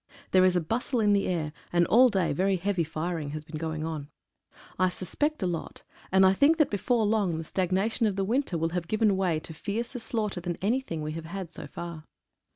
There is a bustle in the air, and all day very heavy firing has been going on. I suspect a lot, and I think that before long the stagnation of the winter will have given way to fiercer slaughter than anything we have had so far.